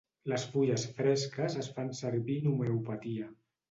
Les fulles fresques es fan servir en homeopatia.